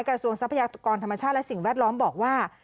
ทรัพยากรธรรมชาติและสิ่งแวดล้อมบอกว่า